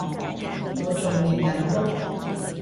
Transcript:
我仲練緊波